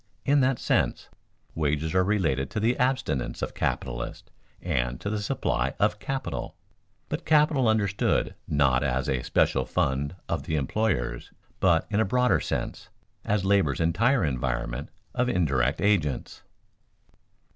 In that sense, wages are related to the abstinence of capitalists and to the supply of "capital," but capital understood not as a special fund of the employers, but, in a broader sense, as labor's entire environment of indirect agents.